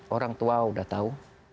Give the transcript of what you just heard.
orang tua sudah tahu